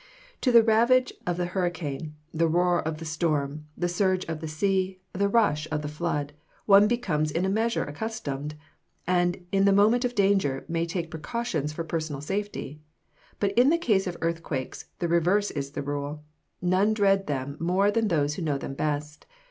To the ravage of the hurricane, the roar of the storm, the surge of the sea, the rush of the flood, one becomes in a measure accustomed, and in the moment of danger may take precautions for personal safety. But in the case of earthquakes the reverse is the rule; none dread them more than those who know them best.